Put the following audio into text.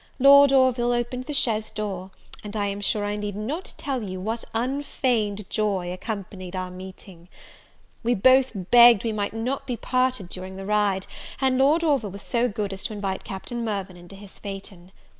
Lord Orville opened the chaise door; and I am sure I need not tell you what unfeigned joy accompanied our meeting. We both begged we might not be parted during the ride; and Lord Orville was so good as to invite Captain Mirvan into his phaeton.